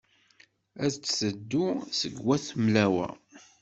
Ad d-teddu seg wat Mlawa.